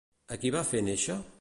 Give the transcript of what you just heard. A qui va fer néixer?